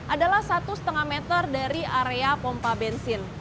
adalah satu lima meter dari area pompa bensin